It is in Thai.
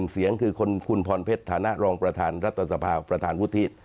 เสียงคือคุณพรเพชรฐานะรองประธานรัฐสภาประธานวุฒิ